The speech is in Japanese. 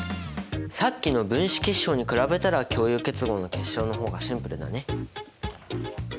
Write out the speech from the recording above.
さっきの分子結晶に比べたら共有結合の結晶の方がシンプルだね。